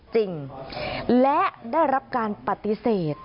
จริงและได้รับการปฏิเสธ